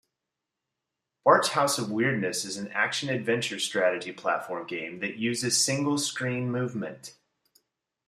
"Bart's House of Weirdness" is an action-adventure-strategy platform game that uses single-screen movement.